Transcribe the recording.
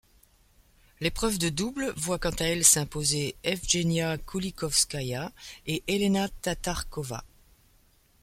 L'épreuve de double voit quant à elle s'imposer Evgenia Kulikovskaya et Elena Tatarkova.